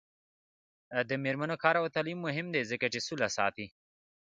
د میرمنو کار او تعلیم مهم دی ځکه چې سوله ساتي.